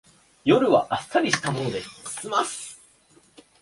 夜はあっさりしたもので済ます